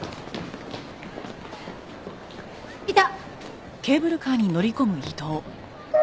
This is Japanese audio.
いた！